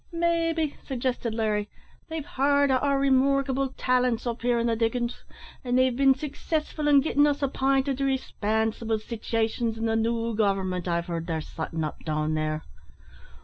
"Maybe," suggested Larry, "they've heard o' our remarkable talents up here in the diggin's, and they've been successful in gittin' us app'inted to respansible sitivations in the new government I've heared they're sottin' up down there.